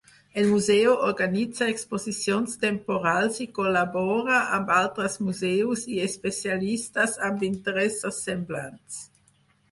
El museu organitza exposicions temporals i col·labora amb altres museus i especialistes amb interessos semblants.